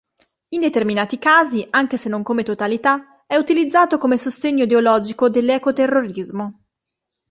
In determinati casi, anche se non come totalità, è utilizzato come sostegno ideologico dell'ecoterrorismo.